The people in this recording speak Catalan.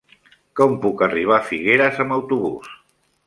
Com puc arribar a Figueres amb autobús?